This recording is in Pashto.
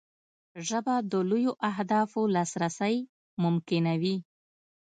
ژبه د لویو اهدافو لاسرسی ممکنوي